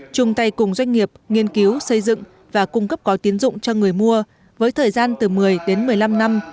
chung tay cùng doanh nghiệp nghiên cứu xây dựng và cung cấp gói tiến dụng cho người mua với thời gian từ một mươi đến một mươi năm năm